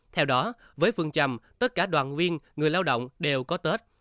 theo đó với phương trầm tất cả đoàn viên người lao động đều có tết